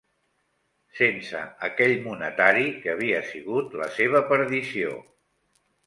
Sense aquell monetari que havia sigut la seva perdició.